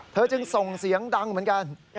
จึงส่งเสียงดังเหมือนกัน